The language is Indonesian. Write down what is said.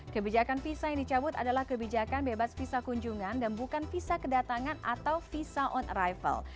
kebijakan visa yang dicabut adalah kebijakan bebas visa kunjungan dan bukan visa kedatangan atau visa on arrival